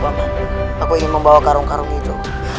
aku ingin membawa karung karung itu